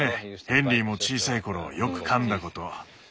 ヘンリーも小さいころよく噛んだこと。